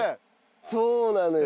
そうなのよ。